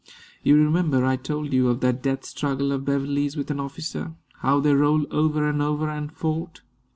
You remember I told you of that death struggle of Beverley's with an officer how they rolled over and over and fought."